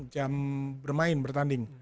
jam bermain bertanding